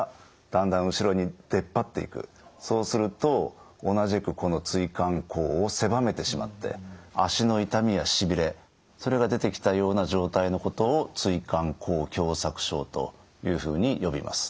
そうすると同じくこの椎間孔を狭めてしまって脚の痛みやしびれそれが出てきたような状態のことを椎間孔狭窄症というふうに呼びます。